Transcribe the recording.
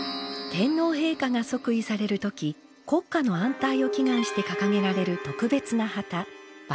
天皇陛下が即位される時国家の安泰を祈願して掲げられる特別な旗万歳旛です。